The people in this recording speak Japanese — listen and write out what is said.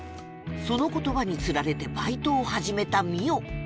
その言葉につられてバイトを始めた澪